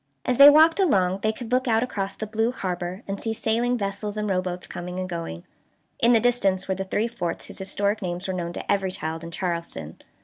As they walked along they could look out across the blue harbor, and see sailing vessels and rowboats coming and going. In the distance were the three forts whose historic names were known to every child in Charleston.